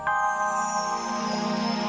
aduh kemana tuh orang